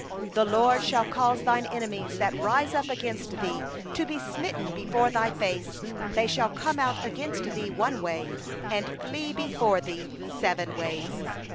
7The LORD will cause thine enemies that rise up against thee to be smitten before thee; they shall come out against thee one way, and shall flee before thee seven ways.